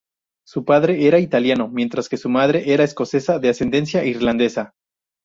Su padre era italiano, mientras que su madre era escocesa de ascendencia irlandesa.